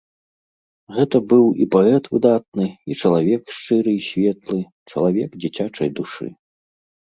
Гэта быў і паэт выдатны, і чалавек шчыры і светлы, чалавек дзіцячай душы.